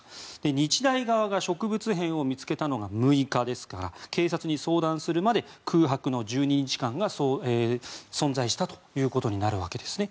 日大側が植物片を見つけたのが６日ですから警察に相談するまで空白の１２日間が存在したことになるわけです。